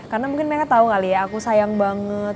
karena mungkin mereka tau kali ya aku sayang banget